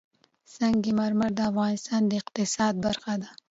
سنگ مرمر د افغانستان د اقتصاد برخه ده.